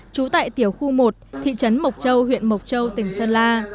trú tại tiểu khu một thị trấn mộc châu huyện mộc châu tỉnh sơn la